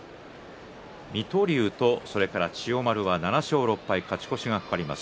水戸龍と千代丸は７勝６敗勝ち越しが懸かります。